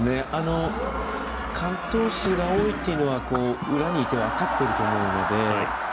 完登数が多いというのは裏にいて分かっていると思うので。